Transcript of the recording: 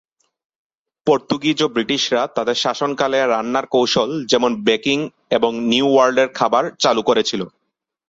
Portuguese ও ব্রিটিশরা তাদের শাসনকালে রান্নার কৌশল যেমন বেকিং এবং নিউ ওয়ার্ল্ড এর খাবার চালু করেছিল।